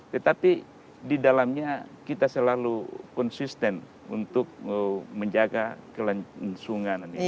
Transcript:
tetapi didalamnya kita selalu konsisten untuk menjaga kelensungan